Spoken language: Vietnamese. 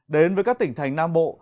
đến với các tỉnh thành nam bộ